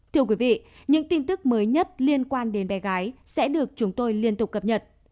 thưa quý vị những tin tức mới nhất liên quan đến bé gái sẽ được chúng tôi liên tục cập nhật